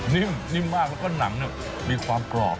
นิ่มนิ่มมากแล้วหนังมีความกรอบ